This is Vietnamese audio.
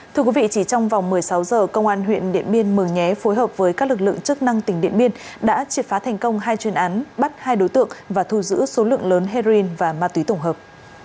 thưa quý vị chỉ trong vòng một mươi sáu giờ công an huyện điện biên mường nhé phối hợp với các lực lượng chức năng tỉnh điện biên đã triệt phá thành công hai chuyên án bắt hai đối tượng và thu giữ số lượng lớn heroin và ma túy tổng hợp